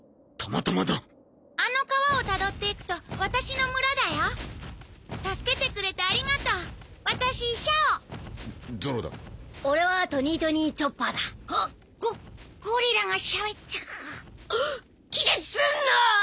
またまだあの川をたどっていくと私の村だよ助けてくれてありがとう私シャオゾロだ俺はトニートニー・チョッパーだあっゴゴリラがしゃべった気絶すんなーッ